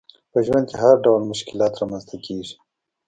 په ژوند کي هرډول مشکلات رامنځته کیږي